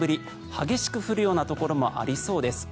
激しく降るようなところもありそうです。